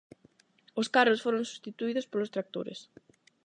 Os carros foron substituídos polos tractores.